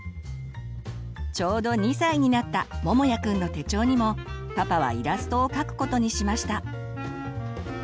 ちょうど２歳になったももやくんの手帳にもパパはイラストをかくことにしました。